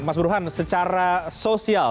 mas buruhan secara sosial